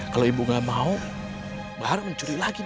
kalau ibu gak mau bahar mencuri lagi